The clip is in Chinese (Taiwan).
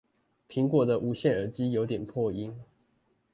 蘋果的無線耳機有點破音